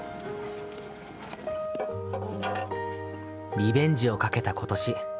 リベンジをかけた今年。